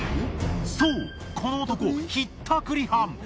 そうこの男ひったくり犯！